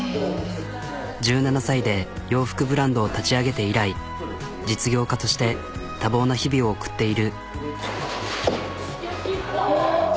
１７歳で洋服ブランドを立ち上げて以来実業家として多忙な日々を送っている。